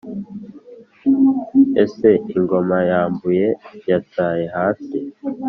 ese ingoma yamabuye yataye hasi,